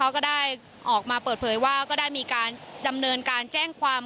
ก็ได้ออกมาเปิดเผยว่าก็ได้มีการดำเนินการแจ้งความ